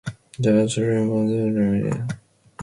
The outer rim of Langemak is relatively fresh and well-defined.